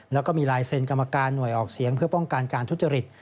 แล้วก็มีลายเซ็นกรรมการหน่วยออกเสียงเพื่อป้องกันการทุจริต